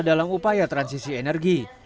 dalam upaya transisi energi